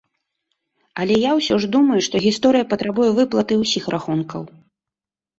Але я ўсё ж думаю, што гісторыя патрабуе выплаты ўсіх рахункаў.